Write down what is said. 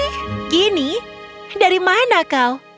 gini dari mana kau